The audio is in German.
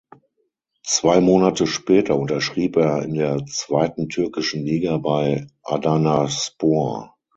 Zwei Monate später unterschrieb er in der zweiten türkischen Liga bei Adanaspor.